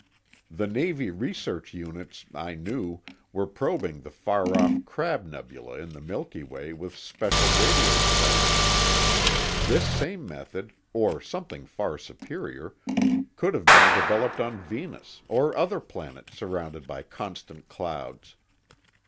The Navy research units, I knew, were probing the far off Crab nebula in the Milky Way with special radio devices. This same method, or something far superior, could have been developed on Venus, or other planets surrounded by constant clouds.